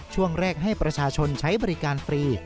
ช่วงแรกให้ประชาชนใช้บริการฟรี